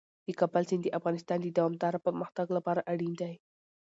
د کابل سیند د افغانستان د دوامداره پرمختګ لپاره اړین دی.